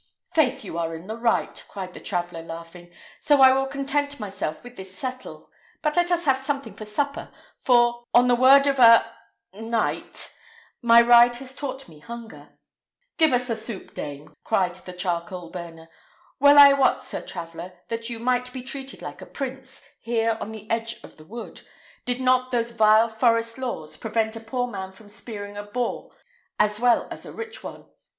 " "Faith, you are in the right," cried the traveller, laughing; "so I will content myself with this settle. But let us have something for supper; for, on the word of a knight, my ride has taught me hunger." "Give us the soup, dame," cried the charcoal burner. "Well I wot, sir traveller, that you might be treated like a prince, here on the edge of the wood, did not those vile forest laws prevent a poor man from spearing a boar as well as a rich one.